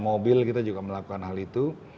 mobil kita juga melakukan hal itu